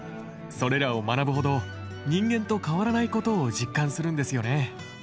それらを学ぶほど人間と変わらないことを実感するんですよね。